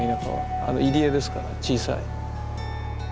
あの入り江ですから小さい。